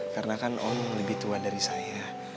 karena kan om lebih tua dari saya